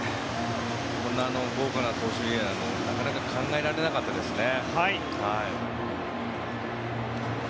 こんなに豪華な投手陣なかなか考えられなかったですね。